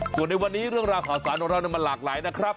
ส่วนในวันนี้เรื่องราวข่าวสารของเรามันหลากหลายนะครับ